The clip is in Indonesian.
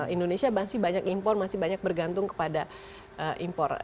indonesia masih banyak impor masih banyak bergantung kepada impor